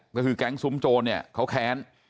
ก็คือแก๊งซุ้มโจรเนี่ยเขาแค้น